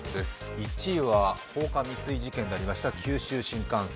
１位は放火未遂事件がありました九州新幹線。